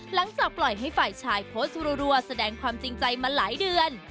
หลังจากปล่อยให้ฝ่ายชายโพสต์รัวแสดงความจริงใจมาหลายเดือน